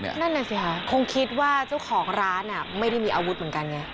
นั่นน่ะสิค่ะคงคิดว่าเจ้าของร้านไม่ได้มีอาวุธเหมือนกันไง